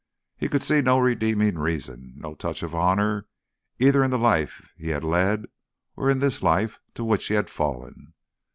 He could see no redeeming reason, no touch of honour, either in the life he had led or in this life to which he had fallen.